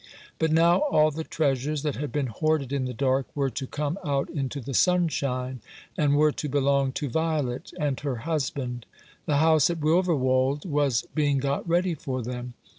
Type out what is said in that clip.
But now all the treasures that had been hoarded in the dark were to come out into the sunshine, and were to belong to Violet and her husband. The house at Wilverwold was being got ready for them.